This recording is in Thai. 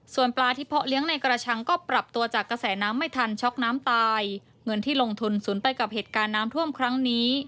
ส่วนปลาที่เพาะเลี้ยงในกระชังก็ปรับตัวจากกระแสน้ำไม่ทันช็อกน้ำตายเงินที่ลงทุนศูนย์ไปกับเหตุการณ์น้ำท่วมครั้งนี้